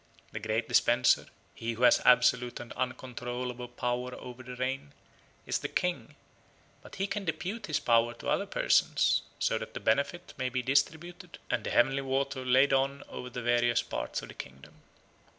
The great dispenser, he who has absolute and uncontrollable power over the rain, is the king; but he can depute his power to other persons, so that the benefit may be distributed and the heavenly water laid on over the various parts of the kingdom.